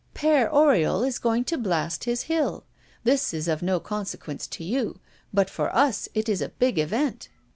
"Père Oriol is going to blast his hill. This is of no consequence to you, but for us it is a big event."